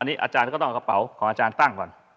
อันนี้อาจารย์ก็ต้องเอากระเป๋าของอาจารย์ตั้งก่อน